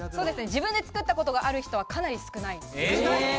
自分で作ったことがある人はかなり少ない。